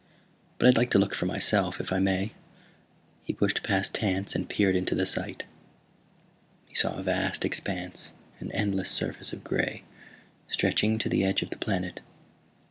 "But I'd like to look for myself, if I may." He pushed past Tance and peered into the sight. He saw a vast expanse, an endless surface of gray, stretching to the edge of the planet.